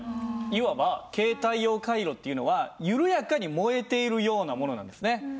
いわば携帯用カイロっていうのは緩やかに燃えているようなものなんですね。